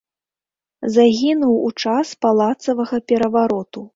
Загінуў у час палацавага перавароту.